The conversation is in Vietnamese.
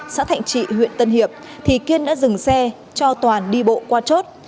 xã thạnh trị huyện tân hiệp thì kiên đã dừng xe cho toàn đi bộ qua chốt